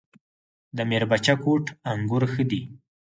د میربچه کوټ انګور ښه دي